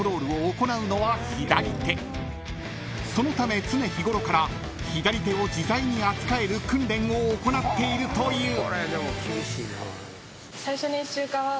［そのため常日頃から左手を自在に扱える訓練を行っているという］